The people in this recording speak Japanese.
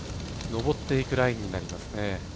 上っていくラインになりますね。